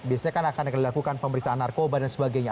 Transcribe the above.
biasanya kan akan dilakukan pemeriksaan narkoba dan sebagainya